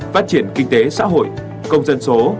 phát triển kinh tế xã hội công dân số